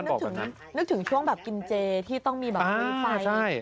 โอ้โหนึกถึงช่วงแบบกินเจที่ต้องมีแบบเวลาไฟ